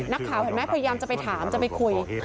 นักข่าวเห็นมั้ยพยายามจะไปถามจะไปคุย